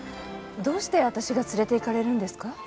どうして私が連れていかれるんですか？